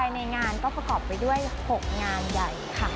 ในงานก็ประกอบไปด้วย๖งานใหญ่ค่ะ